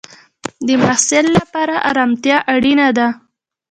د محصل لپاره ارامتیا اړینه ده.